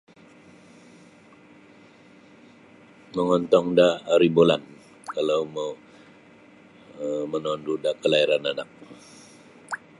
Mangontong da aribulan kalau um mau manondu da kalahiran anak.